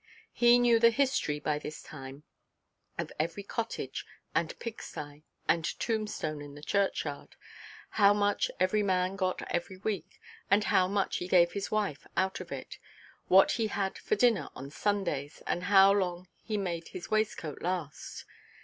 He knew the history by this time of every cottage, and pigsty, and tombstone in the churchyard; how much every man got every week, and how much he gave his wife out of it, what he had for dinner on Sundays, and how long he made his waistcoat last.